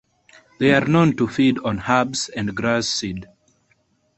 They are known to feed on herbs and grass seed.